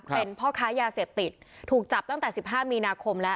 เป็นพ่อค้ายาเสพติดถูกจับตั้งแต่๑๕มีนาคมแล้ว